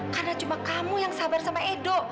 karena cuma kamu yang sabar sama edo